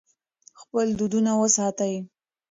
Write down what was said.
خپل دودونه وساتئ.